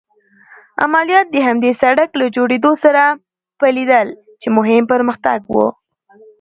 عملیات د همدې سړک له جوړېدو سره پيلېدل چې مهم پرمختګ و.